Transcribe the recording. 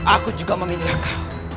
aku juga meminta kau